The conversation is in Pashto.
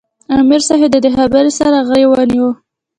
" امیر صېب د دې خبرو سره غرېو ونیوۀ ـ